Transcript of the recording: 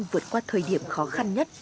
vượt qua thời điểm khó khăn nhất